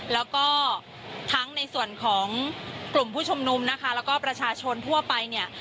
แล้วก็ทั้งในส่วนของกลุ่มผู้ชุมนุมนะคะแล้วก็ประชาชนทั่วไปเนี่ย